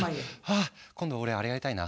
あ今度俺あれやりたいな。